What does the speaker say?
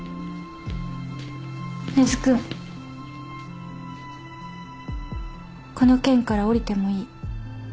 根津君この件から降りてもいい。